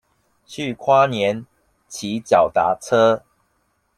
去花蓮騎腳踏車